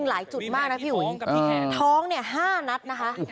หลายจุดมากนะพี่อุ๋ยท้องเนี่ย๕นัดนะคะ